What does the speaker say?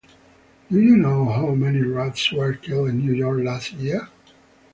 Do you know how many rats were killed in New York last year?